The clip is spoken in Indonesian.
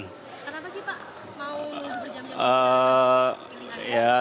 kenapa sih pak mau menunggu berjam jam